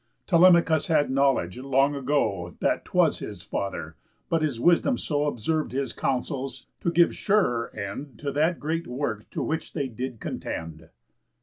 Telemachus had knowledge long ago That 'twas his father, but his wisdom so Observ'd his counsels, to give surer end To that great work to which they did contend."